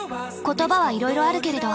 言葉はいろいろあるけれど。